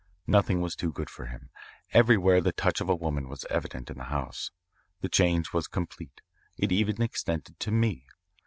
Nothing was too good for him. Everywhere the touch of a woman was evident in the house. The change was complete. It even extended to me.